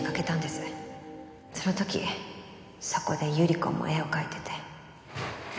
その時そこで百合子も絵を描いてて。